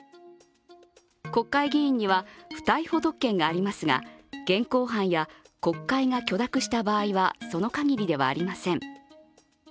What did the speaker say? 国会議員には不逮捕特権がありますが、現行犯や、国会が許諾した場合はその限りではありません。